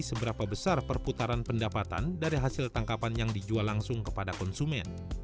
seberapa besar perputaran pendapatan dari hasil tangkapan yang dijual langsung kepada konsumen